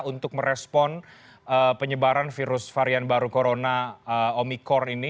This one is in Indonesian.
untuk merespon penyebaran virus varian baru corona omikron ini